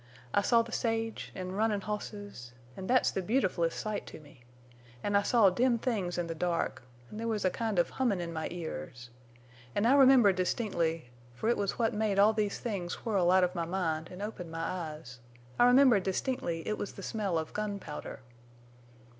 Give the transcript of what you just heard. I saw the sage, an' runnin' hosses—an' thet's the beautfulest sight to me—an' I saw dim things in the dark, an' there was a kind of hummin' in my ears. An' I remember distinctly—fer it was what made all these things whirl out of my mind an' opened my eyes—I remember distinctly it was the smell of gunpowder.